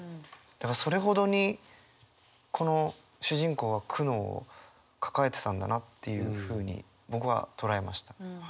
だからそれほどにこの主人公は苦悩を抱えてたんだなっていうふうに僕は捉えました。